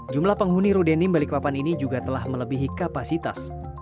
jumlah penghuni rudenim balikpapan ini juga telah melebihi kapasitas